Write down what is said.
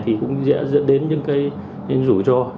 thì cũng dẫn đến những rủi ro